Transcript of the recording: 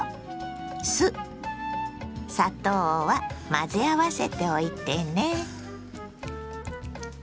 混ぜ合わせておいてね。